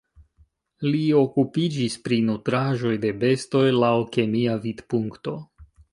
Li okupiĝis pri nutraĵoj de bestoj laŭ kemia vidpunkto.